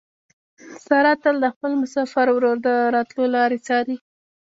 ساره تل د خپل مسافر ورور د راتلو لارې څاري.